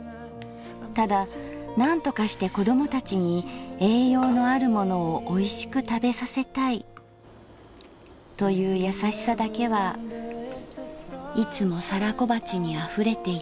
ただなんとかして子供たちに栄養のあるものをおいしく食べさせたいというやさしさだけはいつも皿小鉢に溢れていた」。